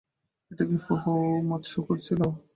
এটা কি ফুফু মাতসুকোর ছিল?